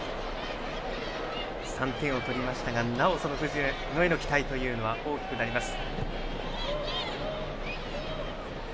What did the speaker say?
３点を取りましたがなお、その藤野への期待は大きくなります。